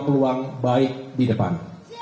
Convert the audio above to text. peluang baik di depan